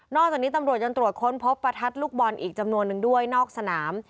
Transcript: จากนี้ตำรวจยังตรวจค้นพบประทัดลูกบอลอีกจำนวนนึงด้วยนอกสนาม